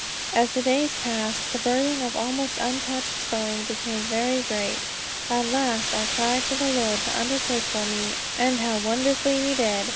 As the days passed, the burden of the almost untouched sewing became very great. At last I cried to the Lord to undertake for me. And how wonderfully he did!